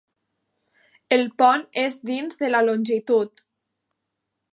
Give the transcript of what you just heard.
El pont és dins de la longitud.